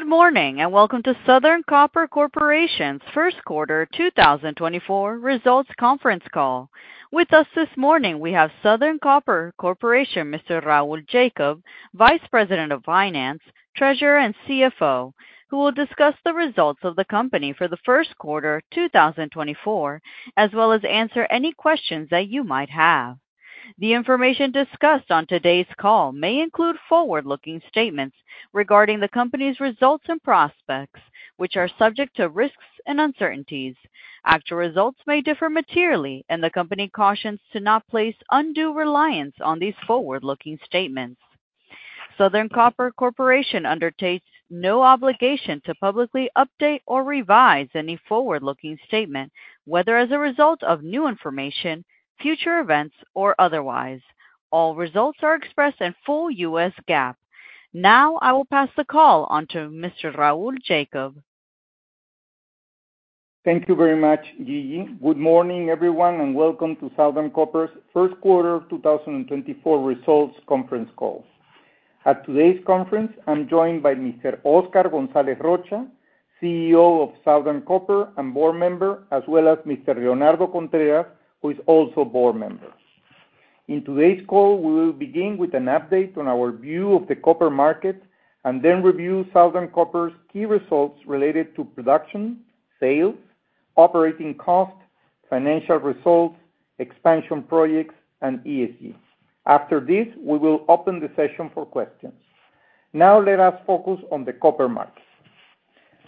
Good morning and welcome to Southern Copper Corporation's first quarter 2024 results conference call. With us this morning, we have Southern Copper Corporation, Mr. Raul Jacob, Vice President of Finance, Treasurer, and CFO, who will discuss the results of the company for the first quarter 2024 as well as answer any questions that you might have. The information discussed on today's call may include forward-looking statements regarding the company's results and prospects, which are subject to risks and uncertainties. Actual results may differ materially, and the company cautions to not place undue reliance on these forward-looking statements. Southern Copper Corporation undertakes no obligation to publicly update or revise any forward-looking statement, whether as a result of new information, future events, or otherwise. All results are expressed in full U.S. GAAP. Now I will pass the call onto Mr. Raul Jacob. Thank you very much, Gigi. Good morning, everyone, and welcome to Southern Copper's first quarter 2024 results conference call. At today's conference, I'm joined by Mr. Óscar González Rocha, CEO of Southern Copper and board member, as well as Mr. Leonardo Contreras, who is also a board member. In today's call, we will begin with an update on our view of the copper market and then review Southern Copper's key results related to production, sales, operating costs, financial results, expansion projects, and ESG. After this, we will open the session for questions. Now let us focus on the copper market.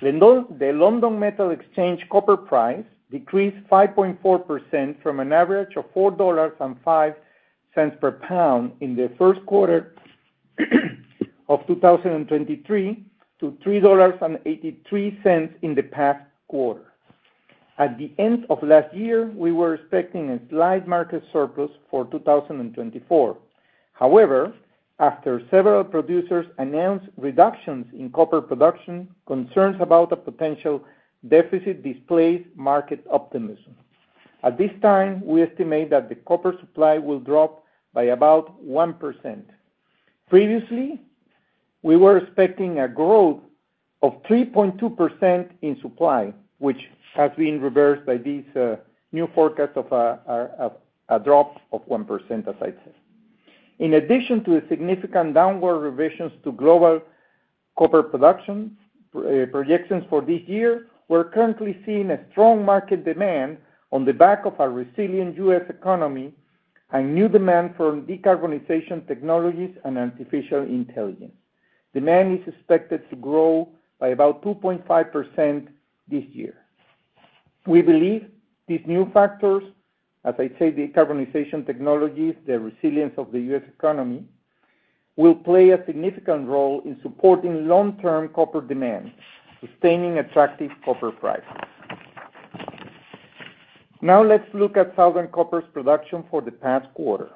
The London Metal Exchange copper price decreased 5.4% from an average of $4.05 per pound in the first quarter of 2023 to $3.83 in the past quarter. At the end of last year, we were expecting a slight market surplus for 2024. However, after several producers announced reductions in copper production, concerns about a potential deficit displayed market optimism. At this time, we estimate that the copper supply will drop by about 1%. Previously, we were expecting a growth of 3.2% in supply, which has been reversed by this new forecast of a drop of 1%, as I said. In addition to the significant downward revisions to global copper production projections for this year, we're currently seeing a strong market demand on the back of a resilient U.S. economy and new demand for decarbonization technologies and artificial intelligence. Demand is expected to grow by about 2.5% this year. We believe these new factors, as I said, decarbonization technologies, the resilience of the U.S. economy, will play a significant role in supporting long-term copper demand, sustaining attractive copper prices. Now let's look at Southern Copper's production for the past quarter.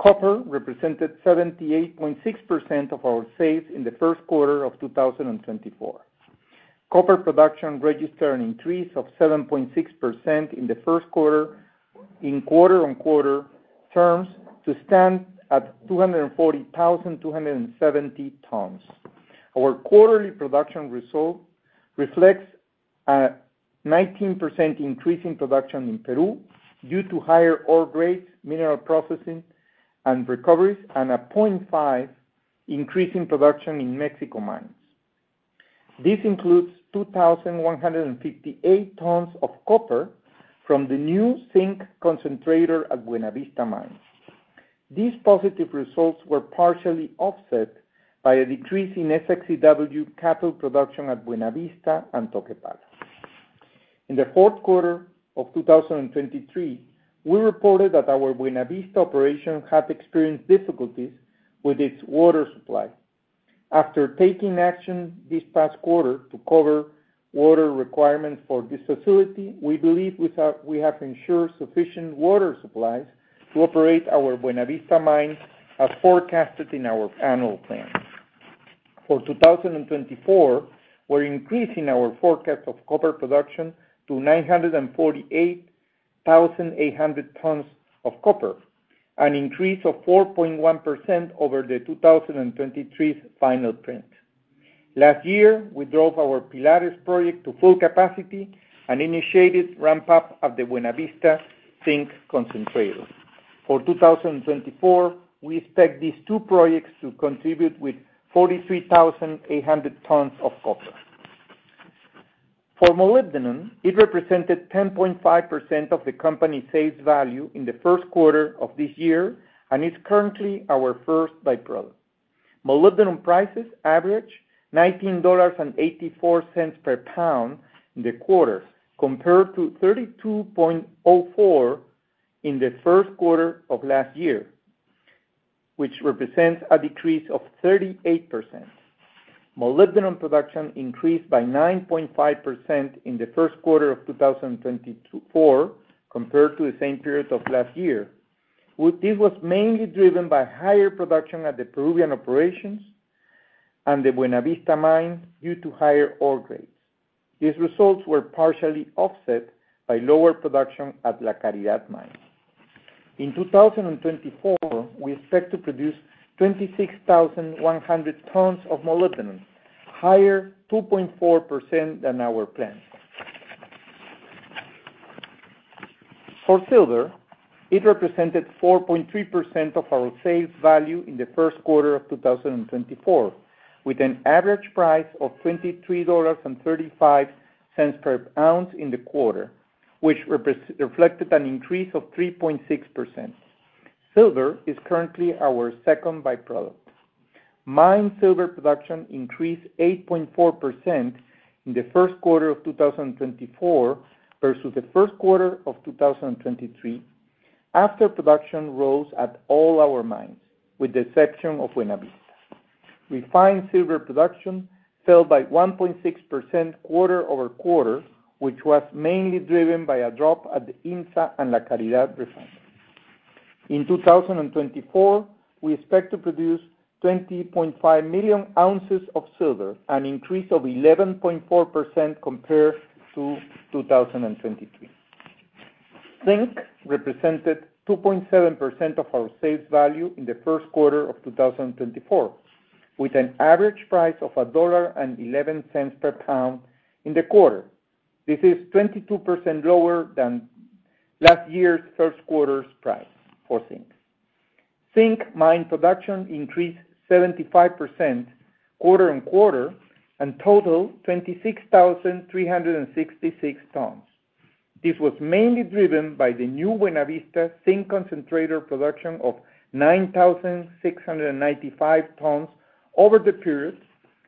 Copper represented 78.6% of our sales in the first quarter of 2024. Copper production registered an increase of 7.6% in the first quarter in quarter-on-quarter terms to stand at 240,270 tons. Our quarterly production result reflects a 19% increase in production in Peru due to higher ore grades, mineral processing, and recoveries, and a 0.5% increase in production in Mexico mines. This includes 2,158 tons of copper from the new zinc concentrator at Buenavista Mines. These positive results were partially offset by a decrease in SX-EW cathode production at Buenavista and Toquepala. In the fourth quarter of 2023, we reported that our Buenavista operation had experienced difficulties with its water supply. After taking action this past quarter to cover water requirements for this facility, we believe we have ensured sufficient water supplies to operate our Buenavista Mines as forecasted in our annual plan. For 2024, we're increasing our forecast of copper production to 948,800 tons of copper, an increase of 4.1% over the 2023 final print. Last year, we drove our Pilares project to full capacity and initiated ramp-up of the Buenavista zinc concentrator. For 2024, we expect these two projects to contribute with 43,800 tons of copper. For molybdenum, it represented 10.5% of the company's sales value in the first quarter of this year and is currently our first byproduct. Molybdenum prices average $19.84 per pound in the quarter compared to $32.04 in the first quarter of last year, which represents a decrease of 38%. Molybdenum production increased by 9.5% in the first quarter of 2024 compared to the same period of last year. This was mainly driven by higher production at the Peruvian operations and the Buenavista mines due to higher ore grades. These results were partially offset by lower production at La Caridad mines. In 2024, we expect to produce 26,100 tons of molybdenum, higher 2.4% than our plan. For silver, it represented 4.3% of our sales value in the first quarter of 2024, with an average price of $23.35 per ounce in the quarter, which reflected an increase of 3.6%. Silver is currently our second byproduct. Mine silver production increased 8.4% in the first quarter of 2024 versus the first quarter of 2023 after production rose at all our mines, with the exception of Buenavista. Refined silver production fell by 1.6% quarter-over-quarter, which was mainly driven by a drop at the IMMSA and La Caridad refineries. In 2024, we expect to produce 20.5 million ounces of silver, an increase of 11.4% compared to 2023. Zinc represented 2.7% of our sales value in the first quarter of 2024, with an average price of $1.11 per pound in the quarter. This is 22% lower than last year's first quarter's price for zinc. Zinc mine production increased 75% quarter-over-quarter and totaled 26,366 tons. This was mainly driven by the new Buenavista zinc concentrator production of 9,695 tons over the period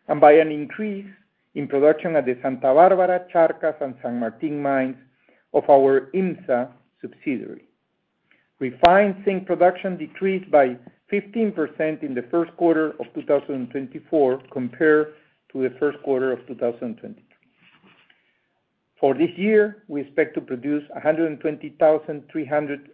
and by an increase in production at the Santa Bárbara, Charcas, and San Martín Mines of our IMMSA subsidiary. Refined zinc production decreased by 15% in the first quarter of 2024 compared to the first quarter of 2023. For this year, we expect to produce 120,300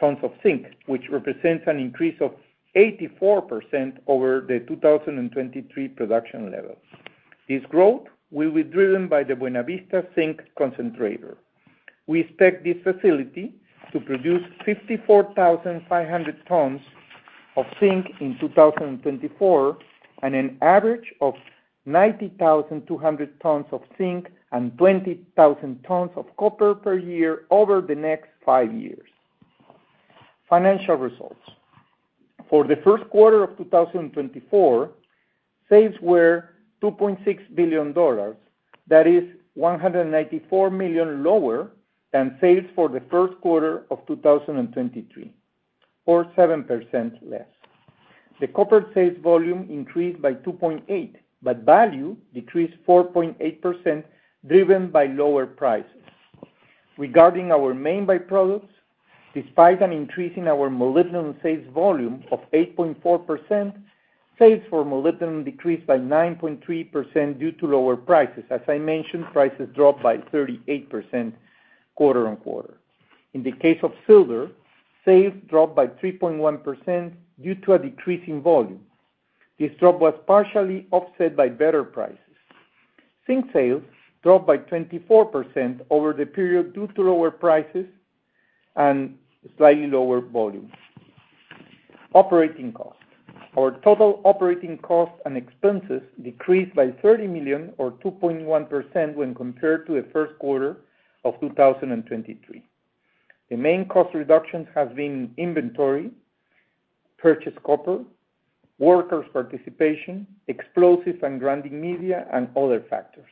tons of zinc, which represents an increase of 84% over the 2023 production level. This growth will be driven by the Buenavista zinc concentrator. We expect this facility to produce 54,500 tons of zinc in 2024 and an average of 90,200 tons of zinc and 20,000 tons of copper per year over the next five years. Financial results. For the first quarter of 2024, sales were $2.6 billion. That is $194 million lower than sales for the first quarter of 2023, or 7% less. The copper sales volume increased by 2.8%, but value decreased 4.8% driven by lower prices. Regarding our main byproducts, despite an increase in our molybdenum sales volume of 8.4%, sales for molybdenum decreased by 9.3% due to lower prices. As I mentioned, prices dropped by 38% quarter-over-quarter. In the case of silver, sales dropped by 3.1% due to a decrease in volume. This drop was partially offset by better prices. Zinc sales dropped by 24% over the period due to lower prices and slightly lower volume. Operating costs. Our total operating costs and expenses decreased by $30 million, or 2.1%, when compared to the first quarter of 2023. The main cost reductions have been in inventory, purchased copper, workers' participation, explosives and grinding media, and other factors.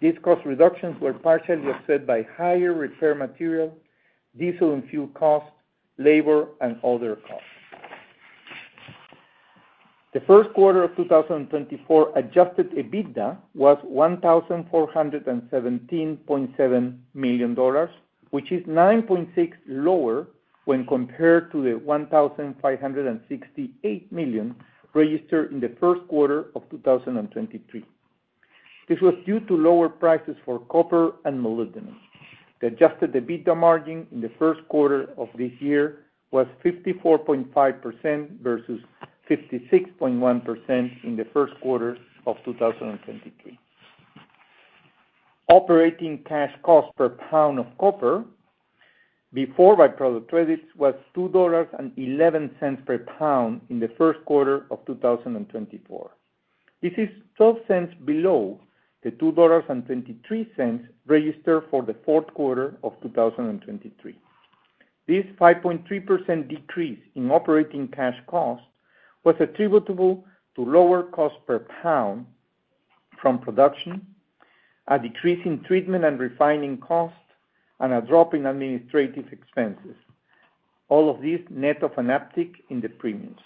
These cost reductions were partially offset by higher repair material, diesel and fuel costs, labor, and other costs. The first quarter of 2024 adjusted EBITDA was $1,417.7 million, which is 9.6% lower when compared to the $1,568 million registered in the first quarter of 2023. This was due to lower prices for copper and molybdenum. The adjusted EBITDA margin in the first quarter of this year was 54.5% versus 56.1% in the first quarter of 2023. Operating cash cost per pound of copper before byproduct credits was $2.11 per pound in the first quarter of 2024. This is $0.12 below the $2.23 registered for the fourth quarter of 2023. This 5.3% decrease in operating cash cost was attributable to lower cost per pound from production, a decrease in treatment and refining costs, and a drop in administrative expenses, all of this net of an uptick in the premiums.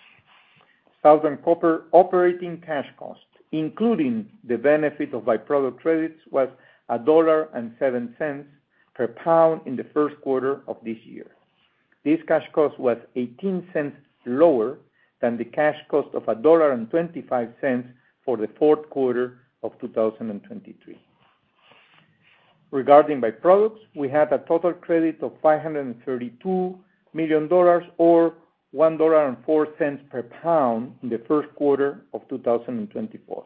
Southern Copper operating cash cost, including the benefit of byproduct credits, was $1.07 per pound in the first quarter of this year. This cash cost was $0.18 lower than the cash cost of $1.25 for the fourth quarter of 2023. Regarding byproducts, we had a total credit of $532 million, or $1.04 per pound, in the first quarter of 2024.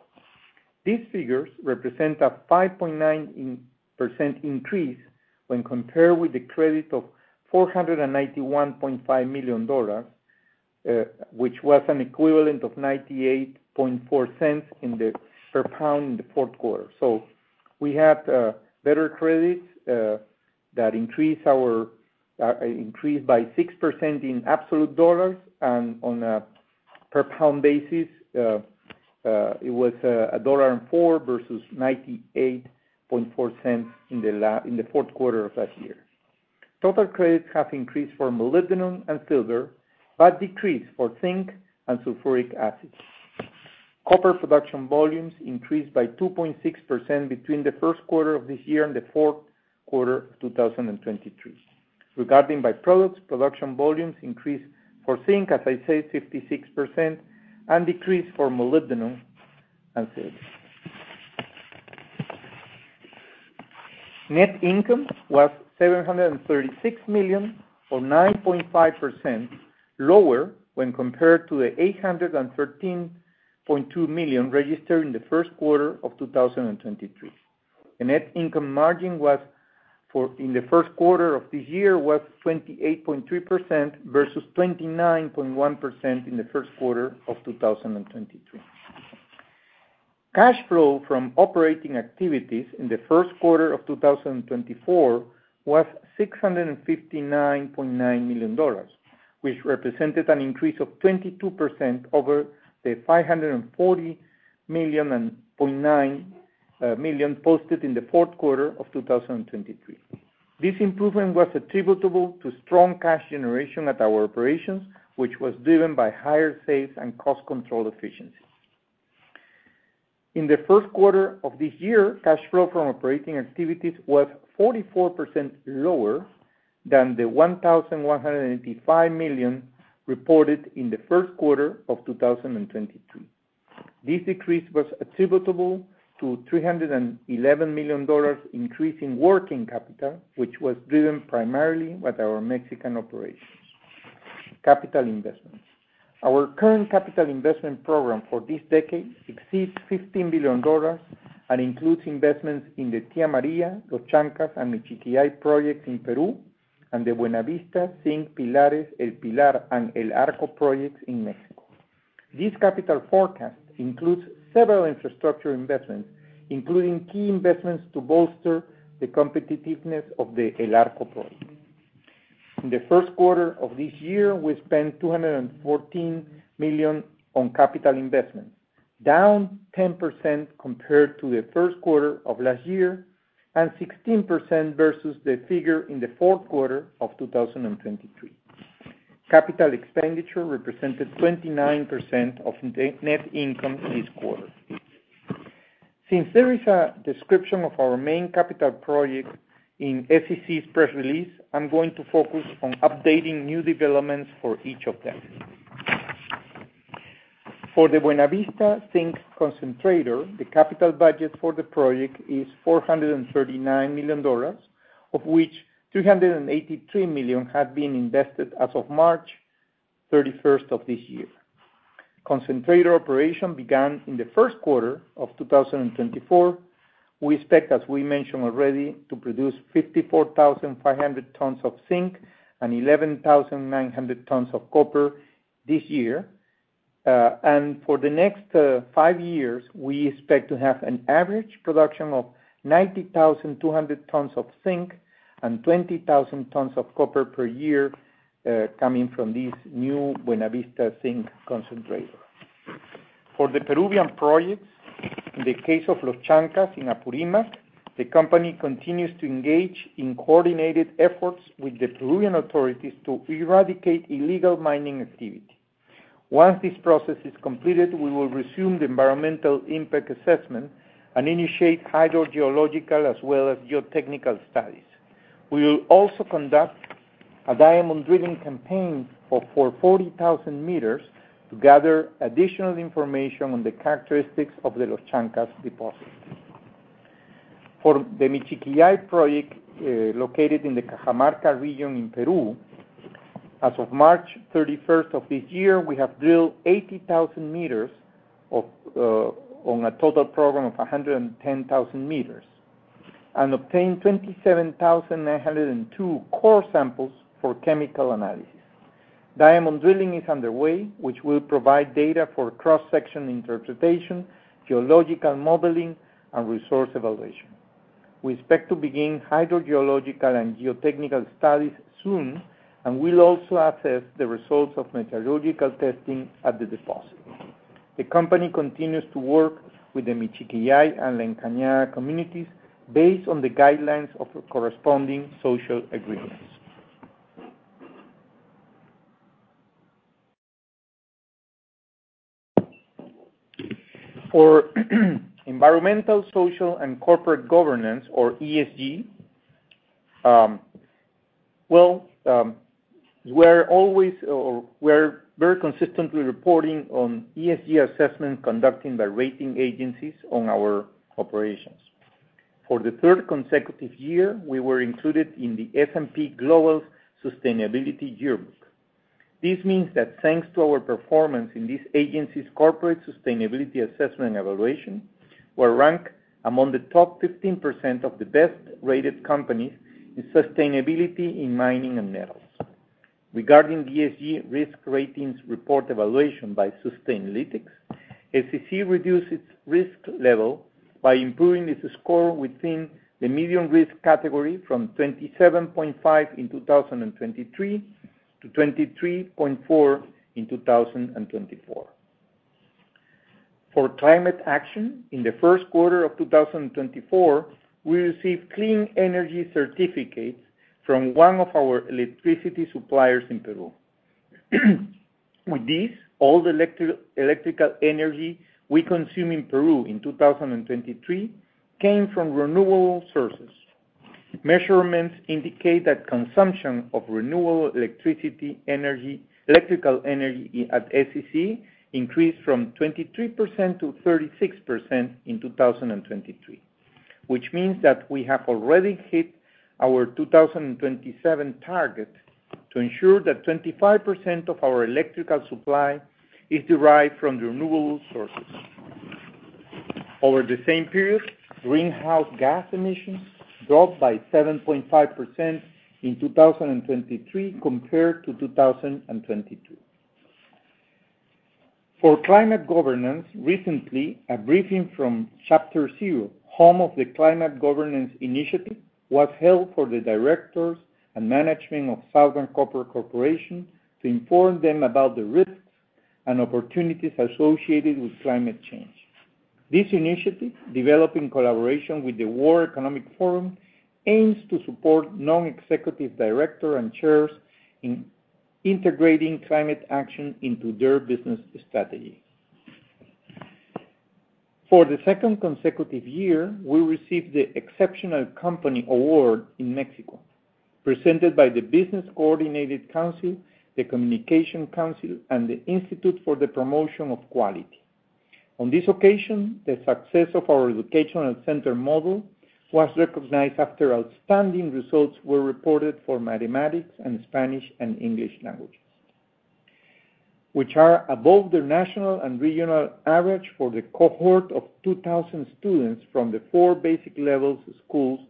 These figures represent a 5.9% increase when compared with the credit of $491.5 million, which was an equivalent of $0.984 per pound in the fourth quarter. So we had better credits that increased by 6% in absolute dollars, and on a per-pound basis, it was $1.04 versus $0.984 in the fourth quarter of that year. Total credits have increased for molybdenum and silver but decreased for zinc and sulfuric acid. Copper production volumes increased by 2.6% between the first quarter of this year and the fourth quarter of 2023. Regarding byproducts, production volumes increased for zinc, as I said, 56%, and decreased for molybdenum and silver. Net income was $736 million, or 9.5%, lower when compared to the $813.2 million registered in the first quarter of 2023. The net income margin in the first quarter of this year was 28.3% versus 29.1% in the first quarter of 2023. Cash flow from operating activities in the first quarter of 2024 was $659.9 million, which represented an increase of 22% over the $540.9 million posted in the fourth quarter of 2023. This improvement was attributable to strong cash generation at our operations, which was driven by higher sales and cost-control efficiency. In the first quarter of this year, cash flow from operating activities was 44% lower than the $1,185 million reported in the first quarter of 2023. This decrease was attributable to $311 million increase in working capital, which was driven primarily by our Mexican operations. Capital investments. Our current capital investment program for this decade exceeds $15 billion and includes investments in the Tía María, Los Chancas, and Michiquillay projects in Peru and the Buenavista Zinc, Pilares, El Pilar and El Arco projects in Mexico. This capital forecast includes several infrastructure investments, including key investments to bolster the competitiveness of the El Arco project. In the first quarter of this year, we spent $214 million on capital investments, down 10% compared to the first quarter of last year and 16% versus the figure in the fourth quarter of 2023. Capital expenditure represented 29% of net income this quarter. Since there is a description of our main capital projects in SCC's press release, I'm going to focus on updating new developments for each of them. For the Buenavista zinc concentrator, the capital budget for the project is $439 million, of which $383 million had been invested as of March 31st of this year. Concentrator operation began in the first quarter of 2024. We expect, as we mentioned already, to produce 54,500 tons of zinc and 11,900 tons of copper this year. For the next five years, we expect to have an average production of 90,200 tons of zinc and 20,000 tons of copper per year coming from this new Buenavista zinc concentrator. For the Peruvian projects, in the case of Los Chancas in Apurímac, the company continues to engage in coordinated efforts with the Peruvian authorities to eradicate illegal mining activity. Once this process is completed, we will resume the environmental impact assessment and initiate hydrogeological as well as geotechnical studies. We will also conduct a diamond drilling campaign for 40,000 meters to gather additional information on the characteristics of the Los Chancas deposit. For the Michiquillay project located in the Cajamarca region in Peru, as of March 31st of this year, we have drilled 80,000 meters on a total program of 110,000 meters and obtained 27,902 core samples for chemical analysis. Diamond drilling is underway, which will provide data for cross-section interpretation, geological modeling, and resource evaluation. We expect to begin hydrogeological and geotechnical studies soon, and we'll also assess the results of meteorological testing at the deposit. The company continues to work with the Michiquillay and La Encañada communities based on the guidelines of corresponding social agreements. For Environmental, Social, and Corporate Governance, or ESG, well, we're very consistently reporting on ESG assessments conducted by rating agencies on our operations. For the third consecutive year, we were included in the S&P Global Sustainability Yearbook. This means that thanks to our performance in this agency's corporate sustainability assessment and evaluation, we're ranked among the top 15% of the best-rated companies in sustainability in mining and metals. Regarding the ESG risk ratings report evaluation by Sustainalytics, SCC reduced its risk level by improving its score within the medium risk category from 27.5% in 2023 to 23.4% in 2024. For climate action, in the first quarter of 2024, we received clean energy certificates from one of our electricity suppliers in Peru. With this, all the electrical energy we consume in Peru in 2023 came from renewable sources. Measurements indicate that consumption of renewable electrical energy at SCC increased from 23% to 36% in 2023, which means that we have already hit our 2027 target to ensure that 25% of our electrical supply is derived from renewable sources. Over the same period, greenhouse gas emissions dropped by 7.5% in 2023 compared to 2022. For climate governance, recently, a briefing from Chapter Zero, Home of the Climate Governance Initiative, was held for the directors and management of Southern Copper Corporation to inform them about the risks and opportunities associated with climate change. This initiative, developed in collaboration with the World Economic Forum, aims to support non-executive directors and chairs in integrating climate action into their business strategy. For the second consecutive year, we received the Exceptional Company Award in Mexico, presented by the Business Coordinating Council, the Communication Council, and the Institute for the Promotion of Quality. On this occasion, the success of our educational center model was recognized after outstanding results were reported for mathematics and Spanish and English languages, which are above the national and regional average for the cohort of 2,000 students from the four basic levels schools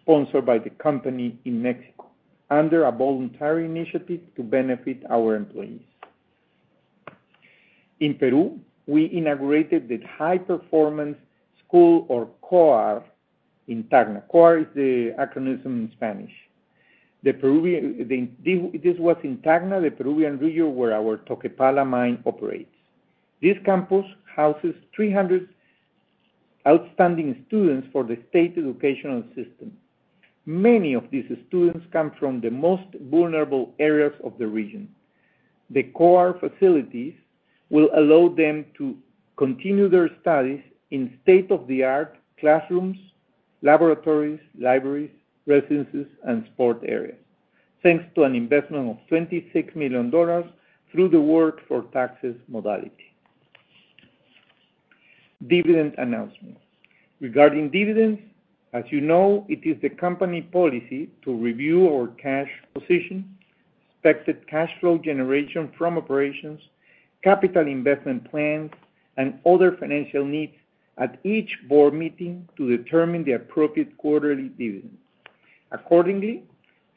sponsored by the company in Mexico under a voluntary initiative to benefit our employees. In Peru, we inaugurated the High Performance School, or COAR, in Tacna. COAR is the acronym in Spanish. This was in Tacna, the Peruvian region where our Toquepala mine operates. This campus houses 300 outstanding students for the state educational system. Many of these students come from the most vulnerable areas of the region. The COAR facilities will allow them to continue their studies in state-of-the-art classrooms, laboratories, libraries, residences, and sport areas, thanks to an investment of $26 million through the Works for Taxes modality. Dividend announcement. Regarding dividends, as you know, it is the company policy to review our cash position, expected cash flow generation from operations, capital investment plans, and other financial needs at each board meeting to determine the appropriate quarterly dividend. Accordingly,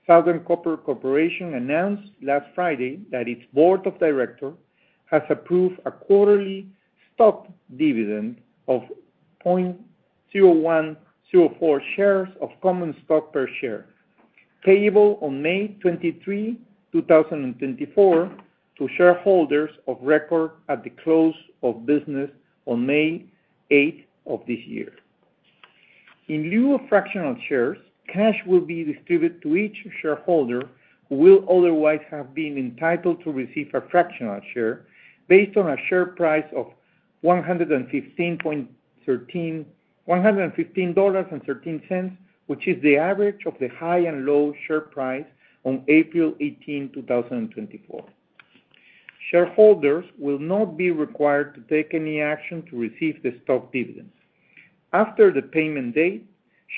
Southern Copper Corporation announced last Friday that its board of directors has approved a quarterly stock dividend of 0.0104 shares of common stock per share, payable on May 23, 2024, to shareholders of record at the close of business on May 8th of this year. In lieu of fractional shares, cash will be distributed to each shareholder who will otherwise have been entitled to receive a fractional share based on a share price of $115.13, which is the average of the high and low share price on April 18, 2024. Shareholders will not be required to take any action to receive the stock dividend. After the payment date,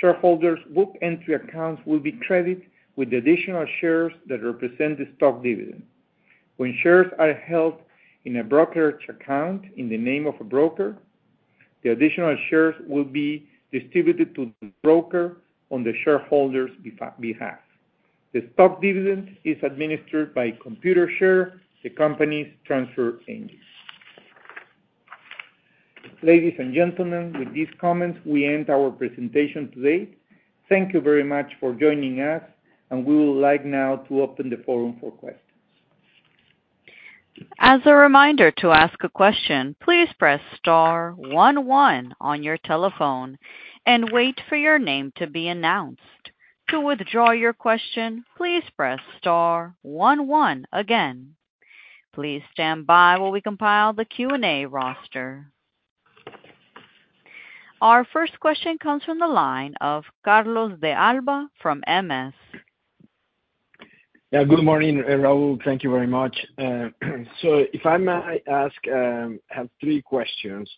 shareholders' book entry accounts will be credited with the additional shares that represent the stock dividend. When shares are held in a brokerage account in the name of a broker, the additional shares will be distributed to the broker on the shareholders' behalf. The stock dividend is administered by Computershare, the company's transfer agent. Ladies and gentlemen, with these comments, we end our presentation today. Thank you very much for joining us, and we would like now to open the forum for questions. As a reminder to ask a question, please press star 11 on your telephone and wait for your name to be announced. To withdraw your question, please press star 11 again. Please stand by while we compile the Q&A roster. Our first question comes from the line of Carlos De Alba from MS. Yeah, good morning, Raul. Thank you very much. So if I may ask, I have three questions.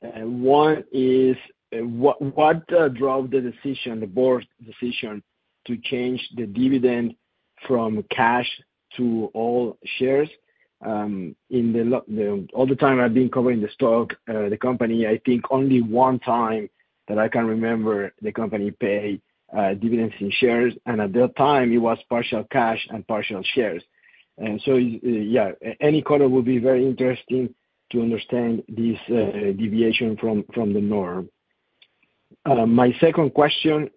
One is, what drove the decision, the board's decision, to change the dividend from cash to all shares? All the time I've been covering the company, I think only one time that I can remember the company paid dividends in shares, and at that time, it was partial cash and partial shares. So yeah, any color would be very interesting to understand this deviation from the norm. My second question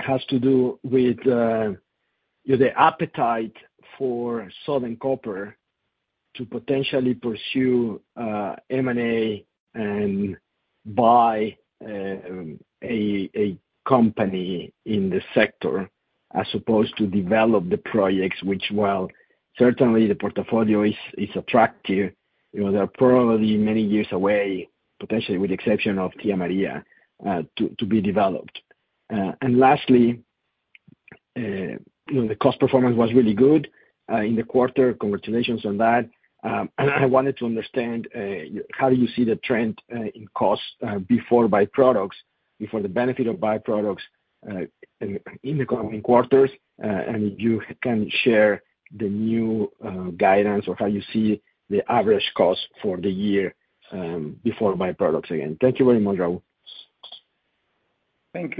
has to do with the appetite for Southern Copper to potentially pursue M&A and buy a company in the sector as opposed to develop the projects, which, well, certainly, the portfolio is attractive. They're probably many years away, potentially, with the exception of Tía María, to be developed. And lastly, the cost performance was really good in the quarter. Congratulations on that. I wanted to understand, how do you see the trend in cost before byproducts, before the benefit of byproducts in the coming quarters? If you can share the new guidance or how you see the average cost for the year before byproducts again. Thank you very much, Raul. Thank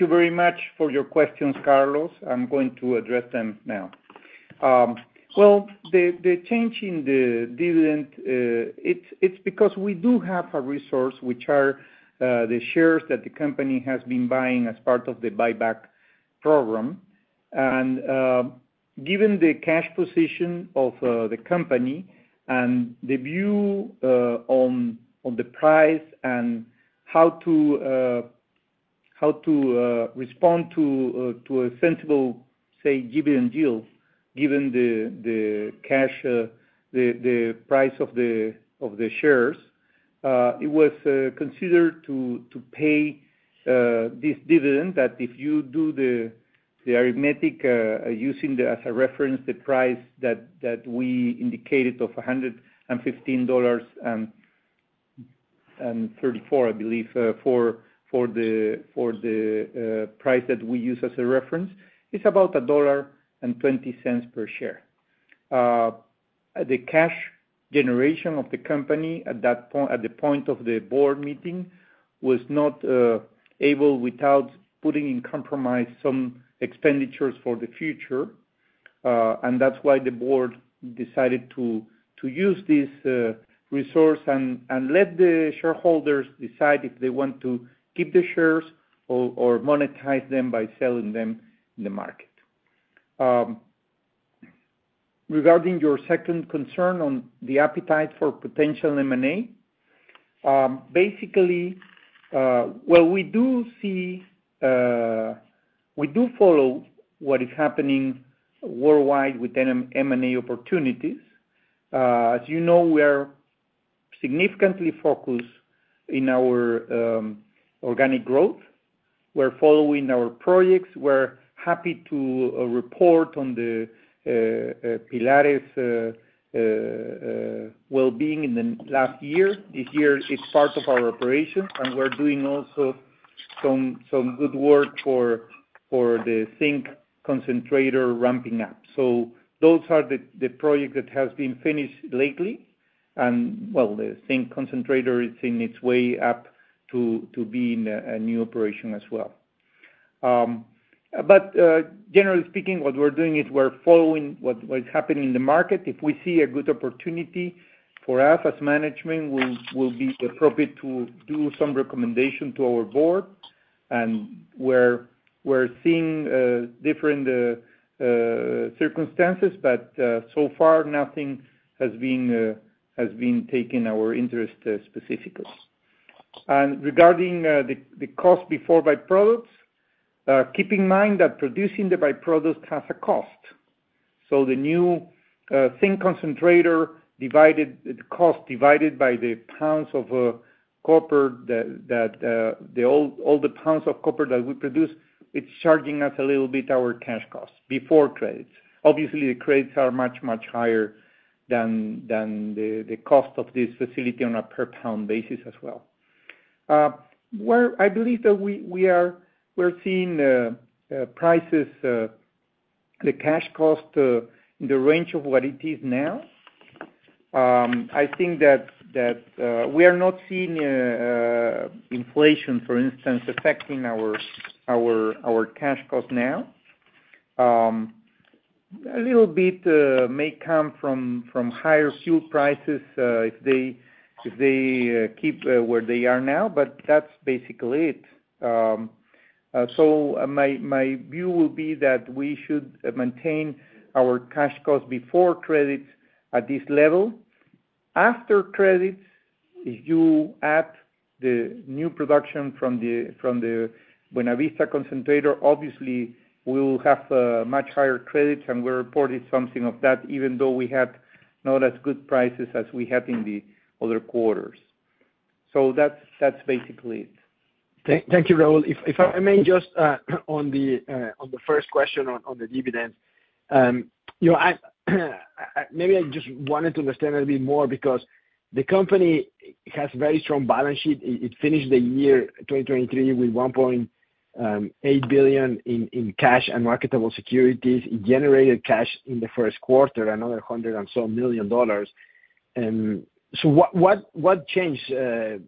you very much for your questions, Carlos. I'm going to address them now. Well, the change in the dividend, it's because we do have a resource, which are the shares that the company has been buying as part of the buyback program. Given the cash position of the company and the view on the price and how to respond to a sensible, say, dividend deal, given the price of the shares, it was considered to pay this dividend that if you do the arithmetic using as a reference the price that we indicated of $115.34, I believe, for the price that we use as a reference, it's about $1.20 per share. The cash generation of the company at the point of the board meeting was not able without putting in compromise some expenditures for the future. That's why the board decided to use this resource and let the shareholders decide if they want to keep the shares or monetize them by selling them in the market. Regarding your second concern on the appetite for potential M&A, basically, well, we do follow what is happening worldwide with M&A opportunities. As you know, we are significantly focused in our organic growth. We're following our projects. We're happy to report on the Pilares' well-being in the last year. This year, it's part of our operation, and we're doing also some good work for the zinc concentrator ramping up. So those are the projects that have been finished lately. Well, the zinc concentrator is in its way up to be in a new operation as well. But generally speaking, what we're doing is we're following what is happening in the market. If we see a good opportunity for us as management, it will be appropriate to do some recommendation to our board. We're seeing different circumstances, but so far, nothing has been taking our interest specifically. And regarding the cost before byproducts, keep in mind that producing the byproduct has a cost. So the new zinc concentrator cost divided by the pounds of copper that all the pounds of copper that we produce, it's charging us a little bit our cash cost before credits. Obviously, the credits are much, much higher than the cost of this facility on a per-pound basis as well. I believe that we're seeing prices, the cash cost, in the range of what it is now. I think that we are not seeing inflation, for instance, affecting our cash cost now. A little bit may come from higher fuel prices if they keep where they are now, but that's basically it. So my view will be that we should maintain our cash cost before credits at this level. After credits, if you add the new production from the Buenavista concentrator, obviously, we will have much higher credits, and we reported something of that, even though we had not as good prices as we had in the other quarters. So that's basically it. Thank you, Raul. If I may just on the first question on the dividends, maybe I just wanted to understand a bit more because the company has a very strong balance sheet. It finished the year 2023 with $1.8 billion in cash and marketable securities. It generated cash in the first quarter, another $100 and some million dollars. So what changes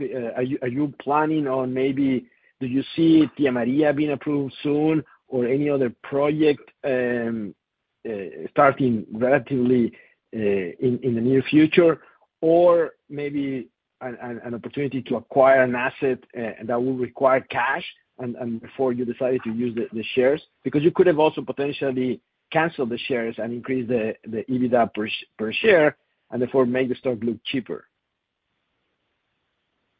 are you planning on? Maybe do you see Tía María being approved soon or any other project starting relatively in the near future, or maybe an opportunity to acquire an asset that will require cash before you decided to use the shares? Because you could have also potentially canceled the shares and increased the EBITDA per share and therefore make the stock look cheaper.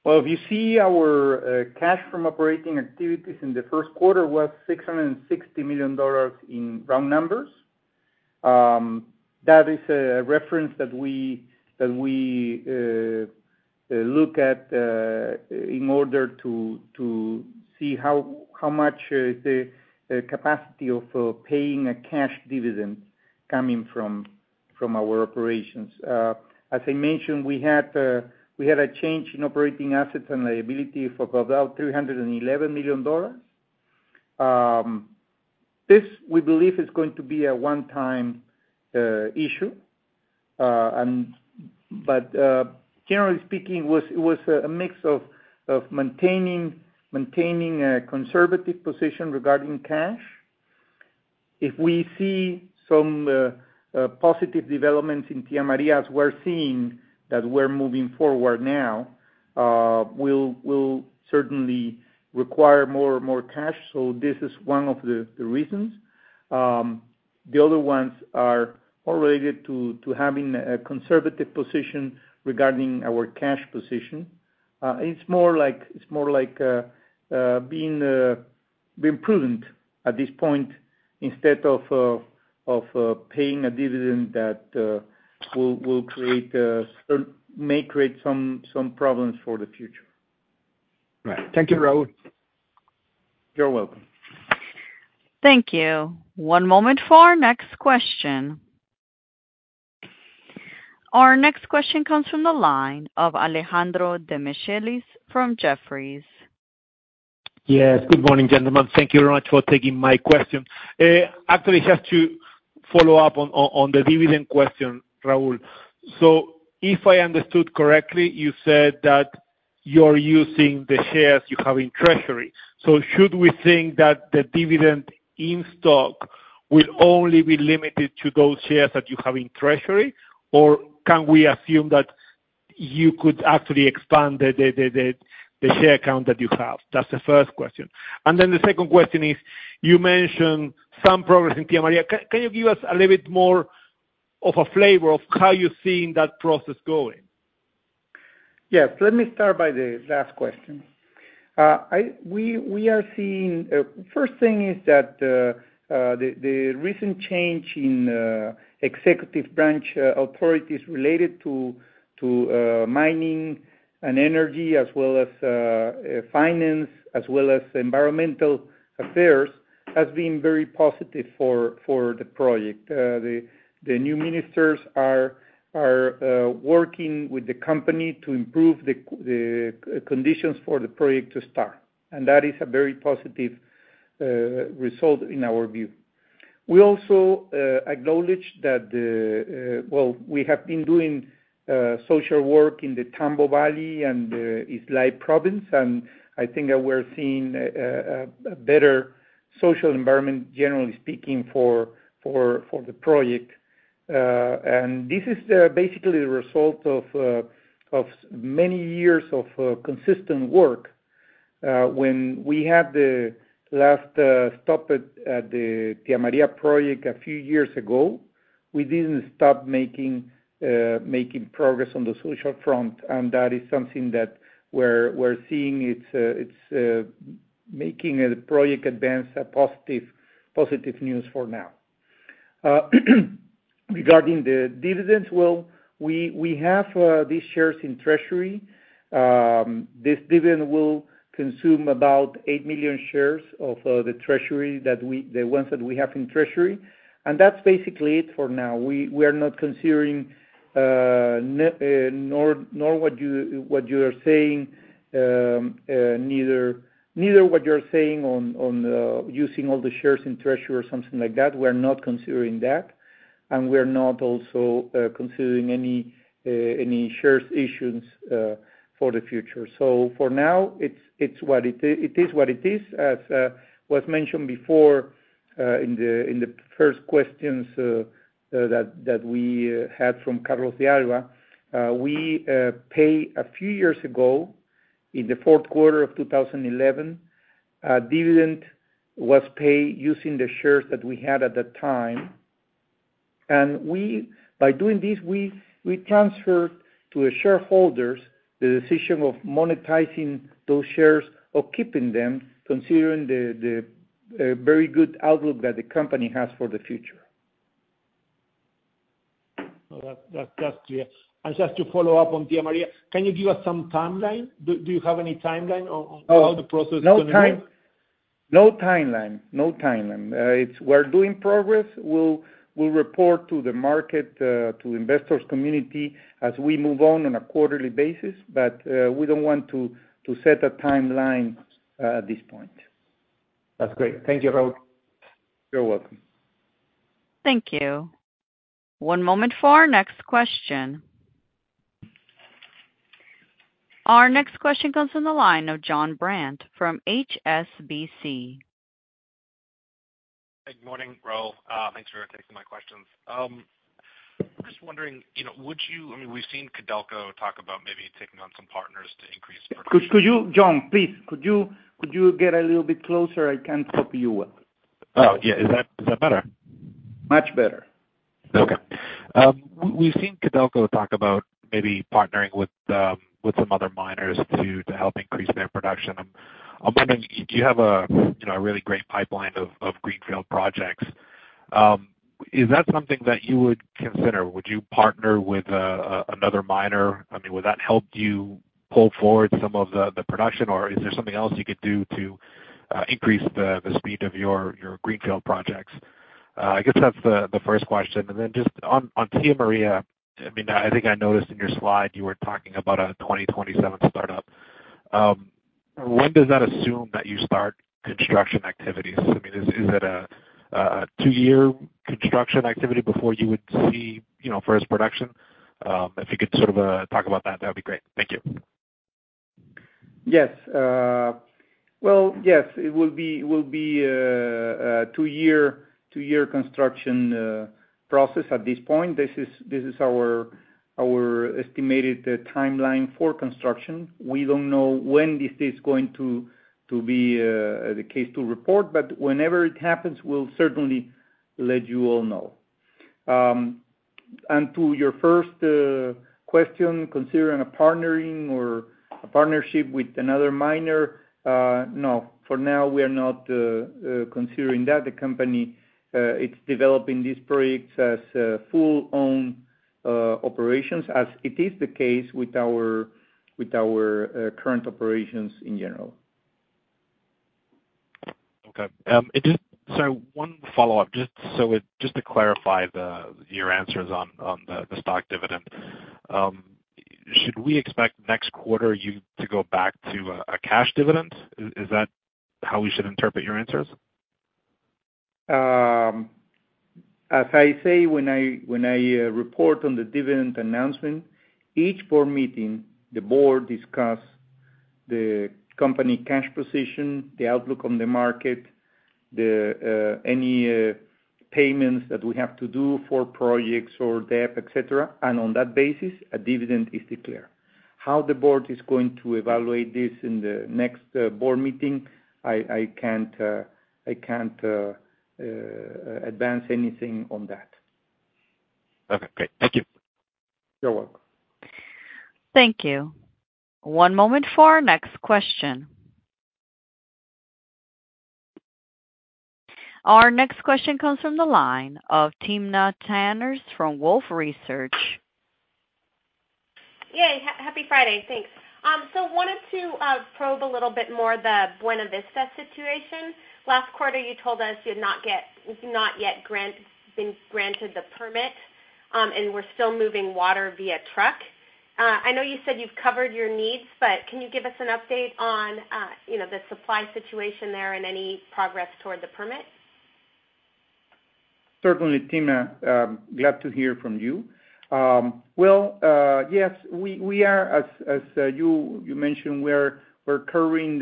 Well, if you see our cash from operating activities in the first quarter was $660 million in round numbers. That is a reference that we look at in order to see how much is the capacity of paying a cash dividend coming from our operations. As I mentioned, we had a change in operating assets and liability of about $311 million. This, we believe, is going to be a one-time issue. But generally speaking, it was a mix of maintaining a conservative position regarding cash. If we see some positive developments in Tía María as we're seeing that we're moving forward now, we'll certainly require more and more cash. So this is one of the reasons. The other ones are all related to having a conservative position regarding our cash position. It's more like being prudent at this point instead of paying a dividend that may create some problems for the future. Right. Thank you, Raul. You're welcome. Thank you. One moment for our next question. Our next question comes from the line of Alejandro Demichelis from Jefferies. Yes. Good morning, gentlemen. Thank you very much for taking my question. Actually, I just have to follow up on the dividend question, Raul. So if I understood correctly, you said that you're using the shares you have in treasury. So should we think that the dividend in stock will only be limited to those shares that you have in treasury, or can we assume that you could actually expand the share account that you have? That's the first question. Then the second question is, you mentioned some progress in Tía María. Can you give us a little bit more of a flavor of how you're seeing that process going? Yes. Let me start by the last question. We are seeing first thing is that the recent change in executive branch authorities related to mining and energy as well as finance as well as environmental affairs has been very positive for the project. The new ministers are working with the company to improve the conditions for the project to start. And that is a very positive result in our view. We also acknowledge that, well, we have been doing social work in the Tambo Valley and Islay province, and I think that we're seeing a better social environment, generally speaking, for the project. And this is basically the result of many years of consistent work. When we had the last stop at the Tía María project a few years ago, we didn't stop making progress on the social front, and that is something that we're seeing. It's making the project advance positive news for now. Regarding the dividends, well, we have these shares in treasury. This dividend will consume about 8 million shares of the treasury, the ones that we have in treasury. And that's basically it for now. We are not considering nor what you are saying, neither what you are saying on using all the shares in treasury or something like that. We are not considering that. And we are not also considering any shares issues for the future. So for now, it's what it is. It is what it is. As was mentioned before in the first questions that we had from Carlos De Alba, we paid a few years ago in the fourth quarter of 2011 a dividend was paid using the shares that we had at that time. And by doing this, we transferred to the shareholders the decision of monetizing those shares or keeping them, considering the very good outlook that the company has for the future. Well, that's clear. And just to follow up on Tía María, can you give us some timeline? Do you have any timeline on how the process is going to go? No timeline. No timeline. We're doing progress. We'll report to the market, to the investors' community as we move on on a quarterly basis. But we don't want to set a timeline at this point. That's great. Thank you, Raul. You're welcome. Thank you. One moment for our next question. Our next question comes from the line of John Brandt from HSBC. Good morning, Raul. Thanks for taking my questions. I'm just wondering, would you—I mean, we've seen Codelco talk about maybe taking on some partners to increase production. John, please, could you get a little bit closer? I can't hear you well. Oh, yeah. Is that better? Much better. Okay. We've seen Codelco talk about maybe partnering with some other miners to help increase their production. I'm wondering, you have a really great pipeline of greenfield projects. Is that something that you would consider? Would you partner with another miner? I mean, would that help you pull forward some of the production, or is there something else you could do to increase the speed of your greenfield projects? I guess that's the first question. Then just on Tía María, I mean, I think I noticed in your slide you were talking about a 2027 startup. When does that assume that you start construction activities? I mean, is it a 2-year construction activity before you would see first production? If you could sort of talk about that, that would be great. Thank you. Yes. Well, yes, it will be a 2-year construction process at this point. This is our estimated timeline for construction. We don't know when is this going to be the case to report, but whenever it happens, we'll certainly let you all know. And to your first question, considering a partnering or a partnership with another miner, no. For now, we are not considering that. The company, it's developing these projects as fully owned operations as it is the case with our current operations in general. Okay. Sorry, one follow-up. Just to clarify your answers on the stock dividend, should we expect next quarter you to go back to a cash dividend? Is that how we should interpret your answers? As I say, when I report on the dividend announcement, each board meeting, the board discusses the company cash position, the outlook on the market, any payments that we have to do for projects or debt, etc. On that basis, a dividend is declared. How the board is going to evaluate this in the next board meeting, I can't advance anything on that. Okay. Great. Thank you. You're welcome. Thank you. One moment for our next question. Our next question comes from the line of Timna Tanners from Wolfe Research. Yay. Happy Friday. Thanks. So wanted to probe a little bit more the Buenavista situation. Last quarter, you told us you had not yet been granted the permit, and we're still moving water via truck. I know you said you've covered your needs, but can you give us an update on the supply situation there and any progress toward the permit? Certainly, Timna. Glad to hear from you. Well, yes, we are as you mentioned, we're covering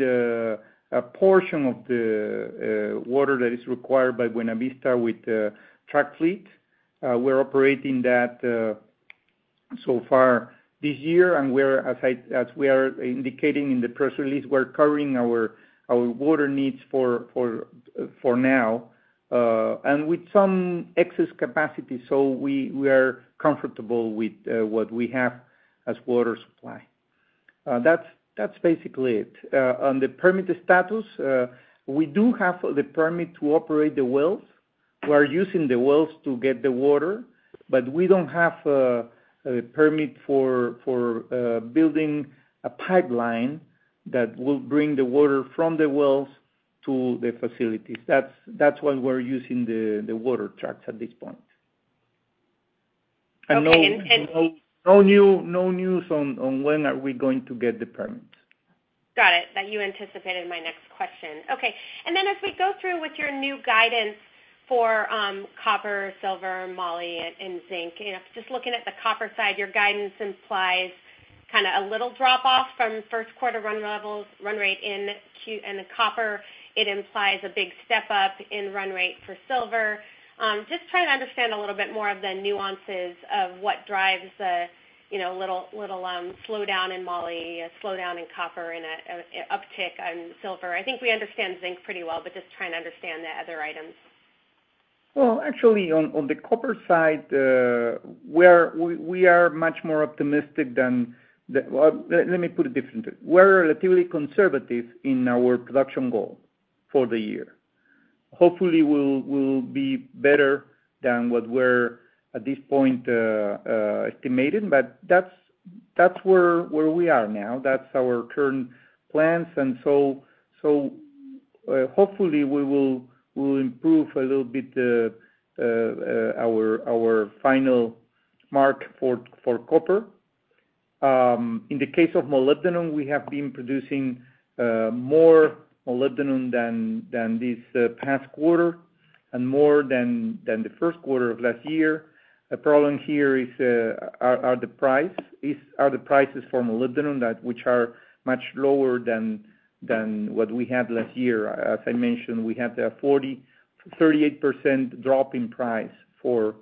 a portion of the water that is required by Buenavista with the truck fleet. We're operating that so far this year. And as we are indicating in the press release, we're covering our water needs for now and with some excess capacity. So we are comfortable with what we have as water supply. That's basically it. On the permit status, we do have the permit to operate the wells. We are using the wells to get the water, but we don't have a permit for building a pipeline that will bring the water from the wells to the facilities. That's why we're using the water trucks at this point. No news on when are we going to get the permits. Got it. That you anticipated my next question. Okay. Then as we go through with your new guidance for copper, silver, moly, and zinc, just looking at the copper side, your guidance implies kind of a little drop-off from first quarter run rate in copper. It implies a big step up in run rate for silver. Just trying to understand a little bit more of the nuances of what drives the little slowdown in moly, slowdown in copper, and uptick in silver. I think we understand zinc pretty well, but just trying to understand the other items. Well, actually, on the copper side, we are much more optimistic than let me put it differently. We're relatively conservative in our production goal for the year. Hopefully, we'll be better than what we're at this point estimating. But that's where we are now. That's our current plans. And so hopefully, we will improve a little bit our final mark for copper. In the case of molybdenum, we have been producing more molybdenum than this past quarter and more than the first quarter of last year. The problem here are the prices for molybdenum, which are much lower than what we had last year. As I mentioned, we had a 38% drop in price for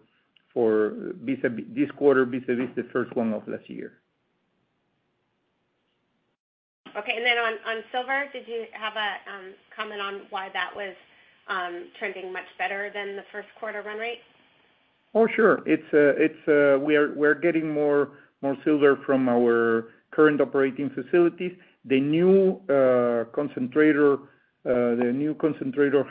this quarter vis-à-vis the first one of last year. Okay. And then on silver, did you have a comment on why that was trending much better than the first quarter run rate? Oh, sure. We're getting more silver from our current operating facilities. The new concentrator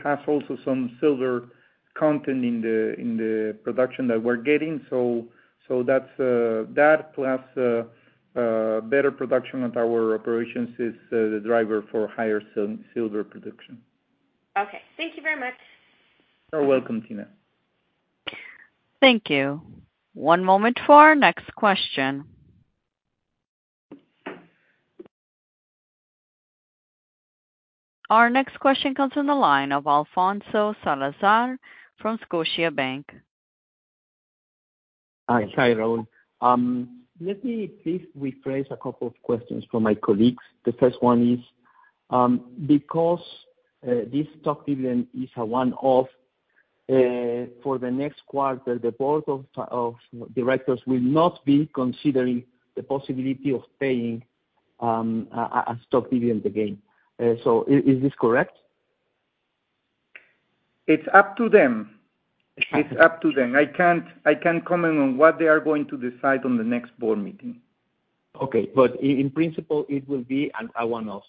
has also some silver content in the production that we're getting. So that plus better production at our operations is the driver for higher silver production. Okay. Thank you very much. You're welcome, Timna. Thank you. One moment for our next question. Our next question comes from the line of Alfonso Salazar from Scotiabank. Hi, hi, Raul. Let me please rephrase a couple of questions from my colleagues. The first one is, because this stock dividend is a one-off, for the next quarter, the board of directors will not be considering the possibility of paying a stock dividend again. So is this correct? It's up to them. It's up to them. I can't comment on what they are going to decide on the next board meeting. Okay. But in principle, it will be a one-off.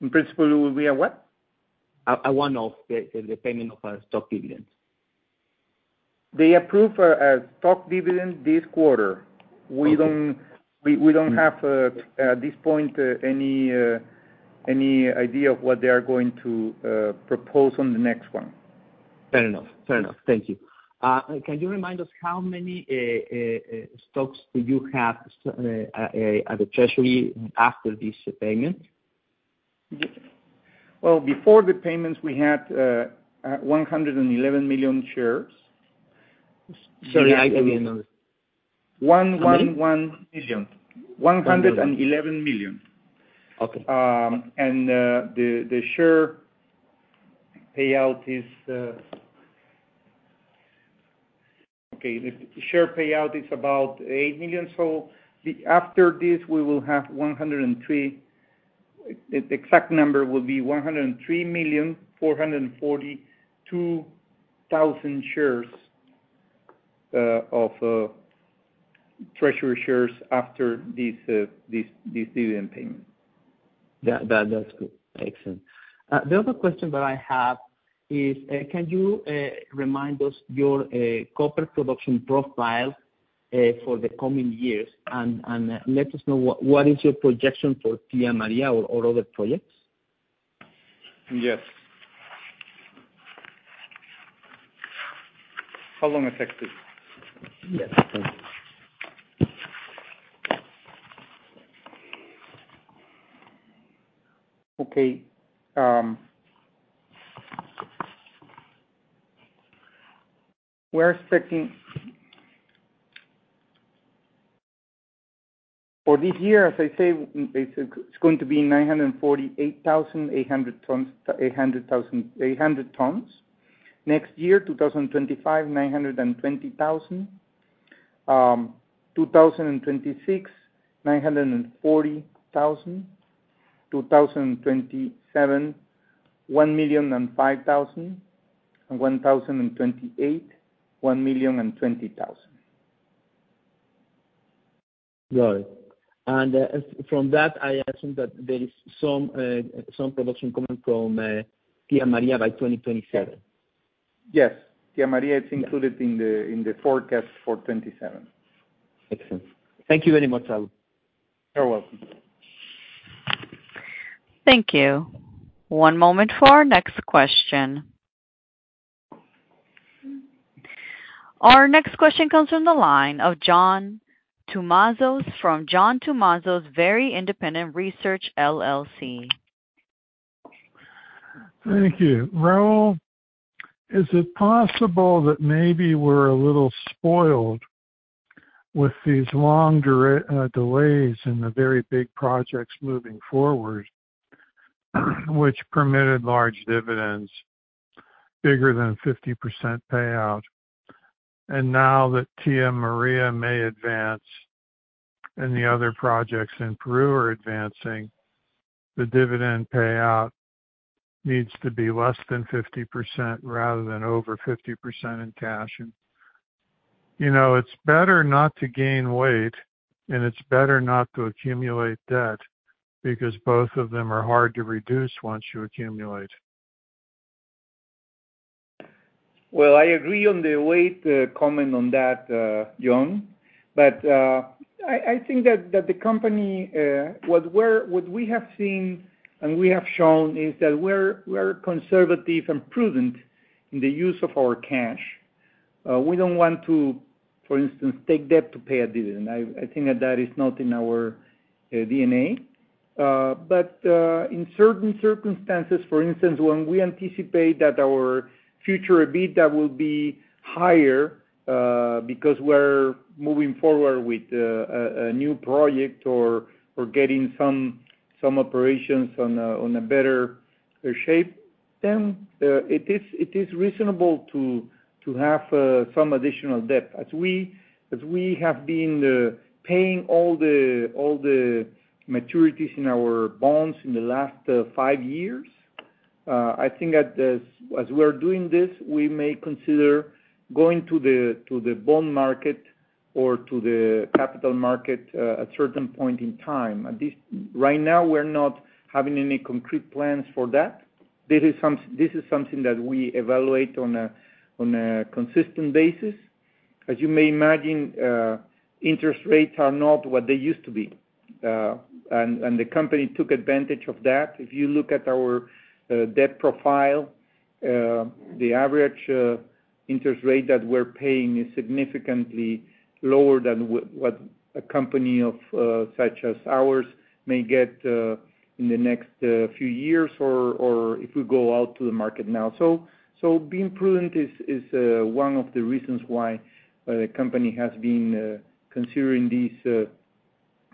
In principle, it will be a what? A one-off, the payment of a stock dividend. They approve a stock dividend this quarter. We don't have, at this point, any idea of what they are going to propose on the next one. Fair enough. Fair enough. Thank you. Can you remind us how many stocks do you have at the treasury after this payment? Well, before the payments, we had 111 million shares. Sorry, I didn't notice. 111 million. 111 million. And the share payout is okay. The share payout is about 8 million. So after this, we will have 103 the exact number will be 103,442,000 shares of treasury shares after this dividend payment. That's good. Excellent. The other question that I have is, can you remind us your copper production profile for the coming years? And let us know what is your projection for Tía María or other projects. Yes. How long is that good? Yes. Okay. We're expecting for this year, as I say, it's going to be 948,800 tons. Next year, 2025, 920,000. 2026, 940,000. 2027, 1,005,000. And 2028, 1,020,000. Got it. And from that, I assume that there is some production coming from Tía María by 2027. Yes. Tía María, it's included in the forecast for 2027. Excellent. Thank you very much, Raul. You're welcome. Thank you. One moment for our next question. Our next question comes from the line of John Tumazos from John Tumazos Very Independent Research, LLC. Thank you. Raul, is it possible that maybe we're a little spoiled with these long delays in the very big projects moving forward, which permitted large dividends, bigger than 50% payout? Now that Tía María may advance and the other projects in Peru are advancing, the dividend payout needs to be less than 50% rather than over 50% in cash. It's better not to gain weight, and it's better not to accumulate debt because both of them are hard to reduce once you accumulate. Well, I agree on the weight comment on that, John. But I think that the company what we have seen and we have shown is that we are conservative and prudent in the use of our cash. We don't want to, for instance, take debt to pay a dividend. I think that that is not in our DNA. But in certain circumstances, for instance, when we anticipate that our future EBITDA will be higher because we're moving forward with a new project or getting some operations in a better shape, then it is reasonable to have some additional debt. As we have been paying all the maturities in our bonds in the last five years, I think that as we're doing this, we may consider going to the bond market or to the capital market at a certain point in time. Right now, we're not having any concrete plans for that. This is something that we evaluate on a consistent basis. As you may imagine, interest rates are not what they used to be, and the company took advantage of that. If you look at our debt profile, the average interest rate that we're paying is significantly lower than what a company such as ours may get in the next few years or if we go out to the market now. So being prudent is one of the reasons why the company has been considering this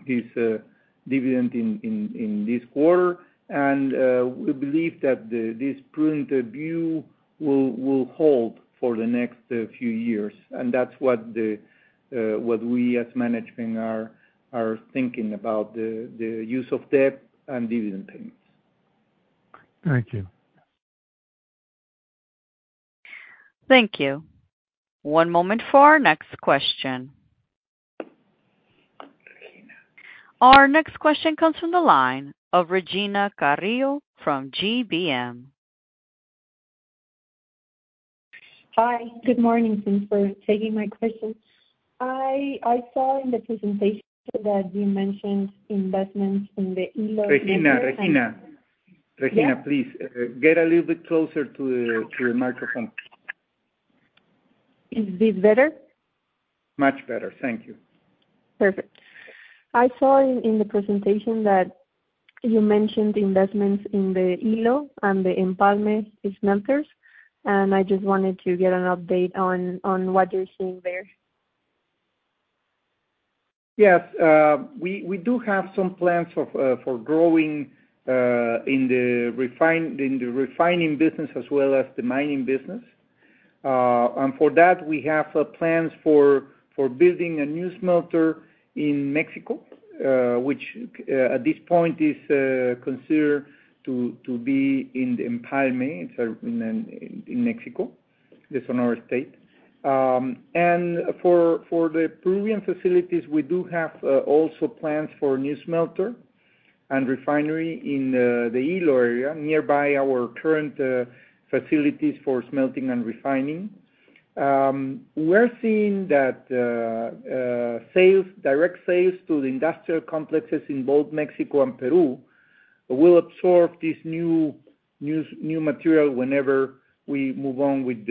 dividend in this quarter. And we believe that this prudent view will hold for the next few years. And that's what we, as management, are thinking about, the use of debt and dividend payments. Thank you. Thank you. One moment for our next question. Our next question comes from the line of Regina Carrillo from GBM. Hi. Good morning, Tim, for taking my question. I saw in the presentation that you mentioned investments in the Ilo investments. Regina, Regina. Regina, please get a little bit closer to the microphone. Is this better? Much better. Thank you. Perfect. I saw in the presentation that you mentioned investments in the Ilo and the Empalme smelters. And I just wanted to get an update on what you're seeing there. Yes. We do have some plans for growing in the refining business as well as the mining business. And for that, we have plans for building a new smelter in Mexico, which at this point is considered to be in the Empalme. It's in Mexico. It's in our state. And for the Peruvian facilities, we do have also plans for a new smelter and refinery in the Ilo area nearby our current facilities for smelting and refining. We're seeing that direct sales to the industrial complexes in both Mexico and Peru will absorb this new material whenever we move on with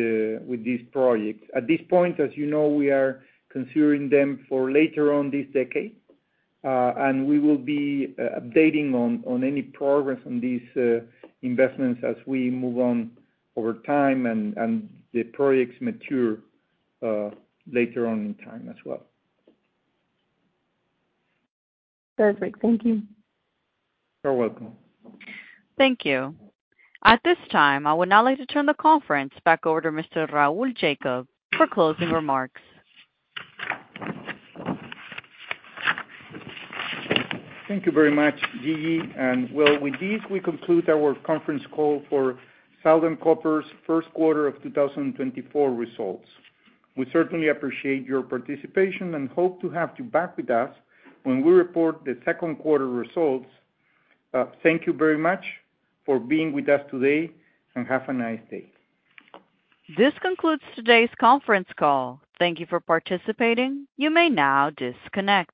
this project. At this point, as you know, we are considering them for later on this decade. We will be updating on any progress on these investments as we move on over time and the projects mature later on in time as well. Perfect. Thank you. You're welcome. Thank you. At this time, I would now like to turn the conference back over to Mr. Raul Jacob for closing remarks. Thank you very much, Gigi. Well, with this, we conclude our conference call for Southern Copper's first quarter of 2024 results. We certainly appreciate your participation and hope to have you back with us when we report the second quarter results. Thank you very much for being with us today, and have a nice day. This concludes today's conference call. Thank you for participating. You may now disconnect.